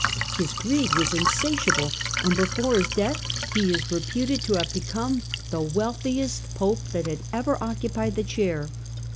His greed was insatiable, and before his death he was reputed to have become the wealthiest Pope that had ever occupied the Chair.